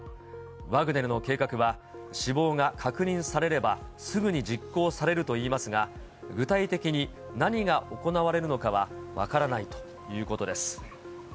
ワグネルの計画は死亡が確認されればすぐに実行されるといいますが、具体的に何が行われるのかは分からないということです。